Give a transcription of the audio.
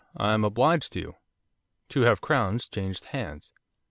I am obliged to you.' Two half crowns changed hands.